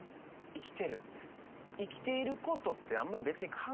生きていることってあんまり別に考えない。